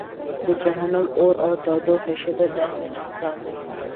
د جهنم د اور د تودوخې شدت داسې دی چې انسانان نه شي زغملی.